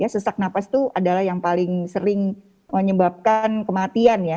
sesak nafas itu adalah yang paling sering menyebabkan kematian ya